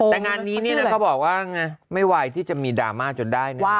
แต่งานนี้เนี่ยนะเขาบอกว่าไม่ไหวที่จะมีดราม่าจนได้นะ